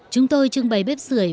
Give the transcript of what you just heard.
chúng tôi trưng bày bếp sưởi